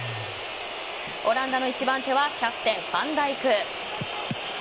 オランダの１番手はキャプテン、ファンダイク。